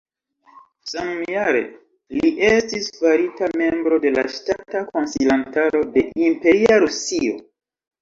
Samjare, li estis farita membro de la Ŝtata Konsilantaro de Imperia Rusio.